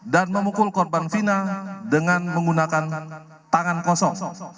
dan memukul korban vina dengan menggunakan tangan kosong